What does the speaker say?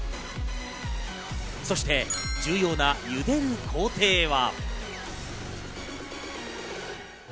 そして重要な茹でる工程は。